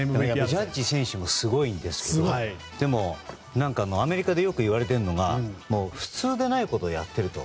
ジャッジ選手もすごいんですけどでも、アメリカでよく言われているのが普通でないことをやっていると。